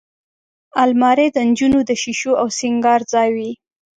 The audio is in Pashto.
الماري د نجونو د شیشو او سینګار ځای وي